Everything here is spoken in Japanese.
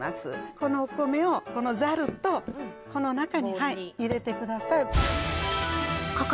このお米をこのザルとこの中に入れてください